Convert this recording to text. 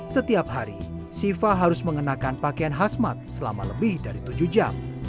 setiap hari siva harus mengenakan pakaian khasmat selama lebih dari tujuh jam